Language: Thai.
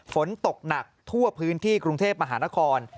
ฝนตกหนักทั่วพื้นที่กรุงเทพมหานคร